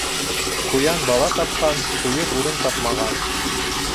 Куян бала тапҡан, ҡуйыр урын тапмаған.